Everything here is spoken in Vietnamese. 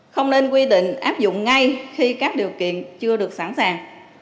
không nên quy định áp dụng ngay khi các điều kiện chưa được sẵn sàng